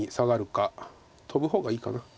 トブ方がいいかな。